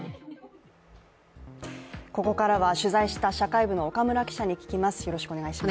ここからは取材した社会部の岡村記者に聞きます。